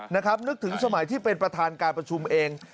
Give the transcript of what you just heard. นึกถึงสมัยที่เป็นประธานการประชุมเอง